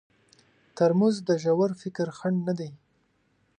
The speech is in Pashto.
ترموز د ژور فکر خنډ نه دی.